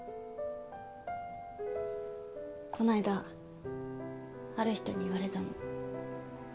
こないだある人に言われたの。